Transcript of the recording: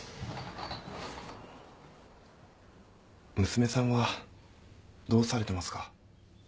娘さんはどうされてますか？